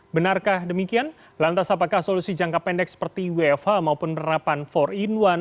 benarkah demikian lantas apakah solusi jangka pendek seperti wfh maupun penerapan empat in satu